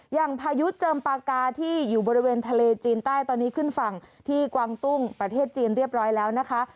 พายุเจิมปากาที่อยู่บริเวณทะเลจีนใต้ตอนนี้ขึ้นฝั่งที่กวางตุ้งประเทศจีนเรียบร้อยแล้วนะคะ